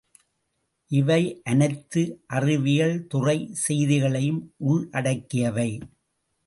இவை அனைத்து அறிவியல்துறைச் செய்திகளையும் உள்ளடக்கியவை.